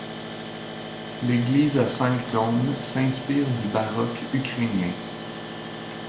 L'église à cinq dômes s'inspire du baroque ukrainien.